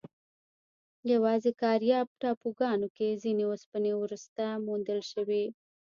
یواځې کارایب ټاپوګانو کې ځینې اوسپنې وروسته موندل شوې.